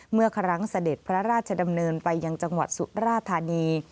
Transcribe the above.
เมื่อครั้งเสด็จพระราชดำเนินไปยังจังหวัดสุราธานี